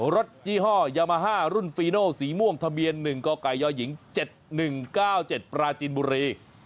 ยี่ห้อยามาฮ่ารุ่นฟีโนสีม่วงทะเบียน๑กกยหญิง๗๑๙๗ปราจินบุรี